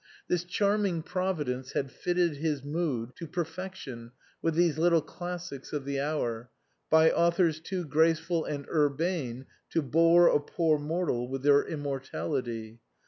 This charm ing Providence had fitted his mood to perfection with these little classics of the hour, by authors too graceful and urbane to bore a poor mortal with their immortality.